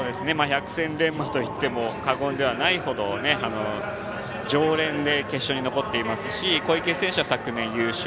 百戦錬磨といっても過言ではないほど常連で決勝に残っていますし小池選手は昨年、優勝。